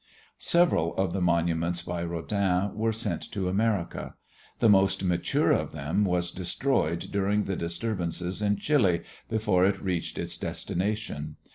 Several of the monuments by Rodin were sent to America. The most mature of them was destroyed during the disturbances in Chile before it reached its destination.